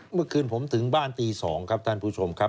เมื่อคืนผมถึงบ้านตี๒ครับท่านผู้ชมครับ